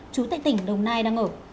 chú tại tỉnh đồng nai đang ở